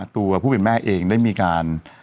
ตัวผู้เป็นแม่เองได้มีการ